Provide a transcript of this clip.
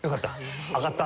上がった？